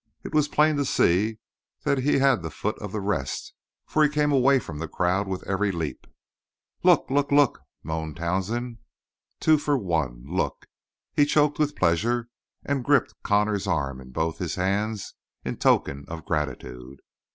It was plain to see that he had the foot of the rest, for he came away from the crowd with every leap. "Look! Look! Look!" moaned Townsend. "Two for one! Look!" He choked with pleasure and gripped Connor's arm in both his hands in token of gratitude.